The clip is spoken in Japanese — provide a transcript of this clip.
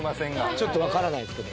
ちょっとわからないですけど。